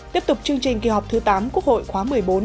tiếp tục chương trình kỳ họp thứ tám quốc hội khóa một mươi bốn